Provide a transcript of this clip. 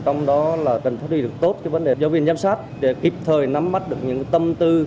trong đó là cần phát huy được tốt cái vấn đề giáo viên giám sát để kịp thời nắm mắt được những tâm tư